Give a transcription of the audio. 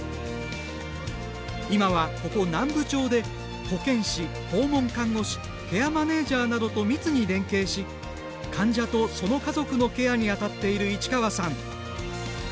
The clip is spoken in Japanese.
今は、ここ南部町で保健師、訪問看護師ケアマネージャーなどと密に連携し患者と、その家族のケアに当たっている市川さん。